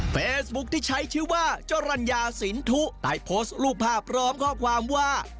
เฟซบุ๊คที่ใช้ชื่อว่าจรรยาสินทุได้โพสต์รูปภาพพร้อมข้อความว่า